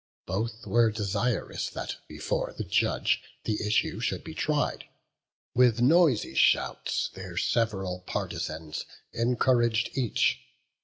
Both were desirous that before the Judge The issue should be tried; with noisy shouts Their several partisans encourag'd each.